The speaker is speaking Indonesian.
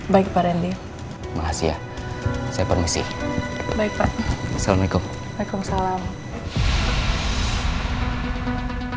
tapi kalau ini kalau ada orang yang memanfaatkan situasi ini